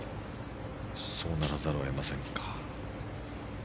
そうならざるを得ませんか。